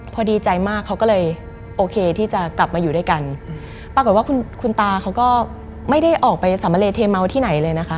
พอดีใจมากเขาก็เลยโอเคที่จะกลับมาอยู่ด้วยกันปรากฏว่าคุณคุณตาเขาก็ไม่ได้ออกไปสามะเลเทเมาที่ไหนเลยนะคะ